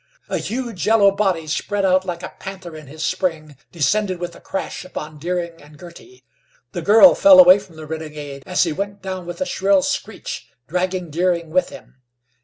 A huge yellow body, spread out like a panther in his spring, descended with a crash upon Deering and Girty. The girl fell away from the renegade as he went down with a shrill screech, dragging Deering with him.